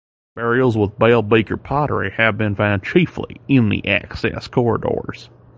Burials with bell beaker pottery have been found chiefly in the access corridors.